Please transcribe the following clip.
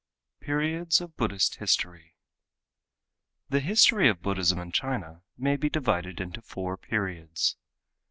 Periods of Buddhist History_ The history of Buddhism in China may be divided into four periods.